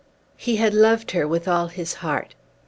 He had loved her with all his heart.